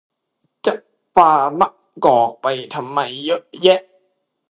จะปามะกอกไปทำไมเยอะแยะ